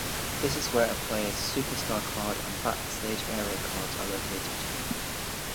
This is where a player's superstar card and Backstage Area cards are located.